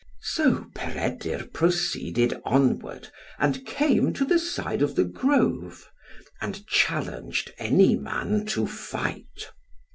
So Peredur proceeded onward, and came to the side of the grove, and challenged any man to fight.